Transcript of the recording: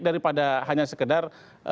daripada hanya sekedar